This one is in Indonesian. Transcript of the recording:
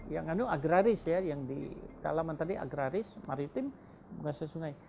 yang agraris yang di dalaman tadi agraris maritim menguasai sungai